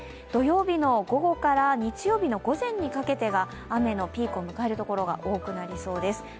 土曜日の午後から日曜日の午前にかけてが雨のピークを迎えるところが多くなりそうです。